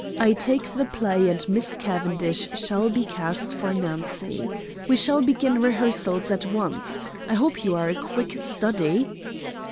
I take the play, and Miss Cavendish shall be cast for Nancy. We shall begin rehearsals at once. I hope you are a quick study."